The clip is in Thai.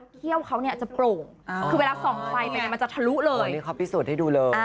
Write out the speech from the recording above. เขี้ยวเขาจะโปร่งคือเวลาส่องไฟไปมันจะทะลุเลย